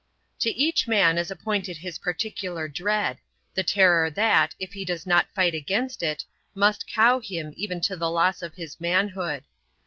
To each man is appointed his particular dread,—the terror that, if he does not fight against it, must cow him even to the loss of his manhood.